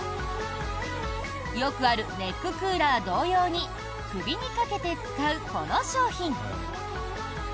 よくあるネッククーラー同様に首にかけて使うこの商品。